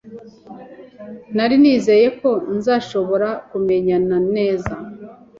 Nari nizeye ko nzashobora kumenyana neza.